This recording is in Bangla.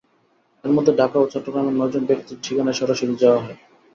এর মধ্যে ঢাকা ও চট্টগ্রামের নয়জন ব্যক্তির ঠিকানায় সরাসরি যাওয়া হয়।